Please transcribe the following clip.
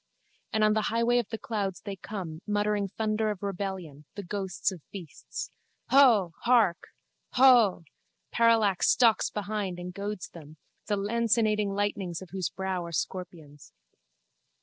And on the highway of the clouds they come, muttering thunder of rebellion, the ghosts of beasts. Huuh! Hark! Huuh! Parallax stalks behind and goads them, the lancinating lightnings of whose brow are scorpions.